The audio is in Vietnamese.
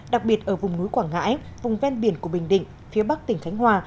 đặc biệt ở vùng núi quảng ngãi vùng ven biển của bình định phía bắc tỉnh khánh hòa